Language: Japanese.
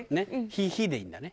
「ひ」「ヒ」でいいんだね。